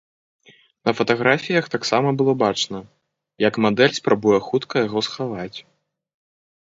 На фатаграфіях таксама было бачна, як мадэль спрабуе хутка яго схаваць.